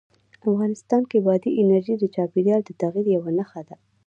افغانستان کې بادي انرژي د چاپېریال د تغیر یوه نښه ده.